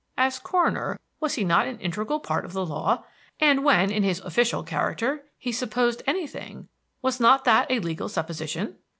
As coroner was he not an integral part of the law, and when, in his official character, he supposed anything was not that a legal supposition?